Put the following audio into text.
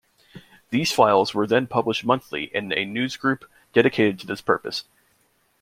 These files were then published monthly in a newsgroup dedicated to this purpose.